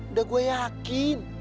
udah gue yakin